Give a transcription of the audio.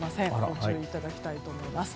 ご注意いただきたいと思います。